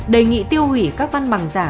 đề nghị tiêu hủy các văn bằng giả